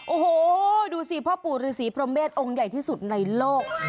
โอ้โหดูสิพ่อปู่ฤษีพรหมเศษองค์ใหญ่ที่สุดในโลก